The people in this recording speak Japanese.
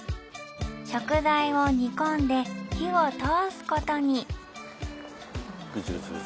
食材を煮込んで火を通すことに・